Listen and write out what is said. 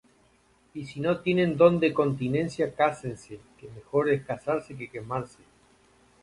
Y si no tienen don de continencia, cásense; que mejor es casarse que quemarse.